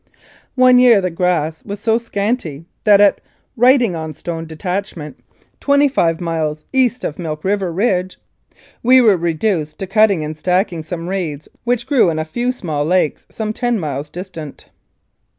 " One year the grass was so scanty that at Writing on Stone detachment, twenty five miles east of Milk River Ridge, we were reduced to cutting and stacking some reeds which grew in a few small lakes some ten miles distant.